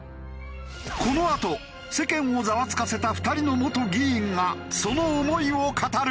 このあと世間をザワつかせた２人の元議員がその思いを語る。